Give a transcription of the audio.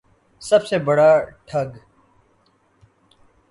سب سے بڑا ٹھگ